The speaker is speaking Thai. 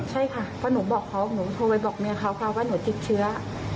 ใช่ค่ะเพราะหนูบอกเขาหนูโทรไปบอกเมียเขาค่ะว่าหนูติดเชื้อ